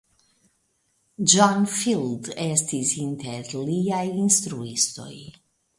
John Field estis inter liaj instruistoj.